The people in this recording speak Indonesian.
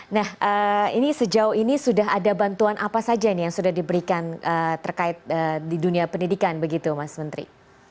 nah ini sejauh ini sudah ada bantuan apa saja nih yang sudah diberikan terkait di dunia pendidikan begitu mas menteri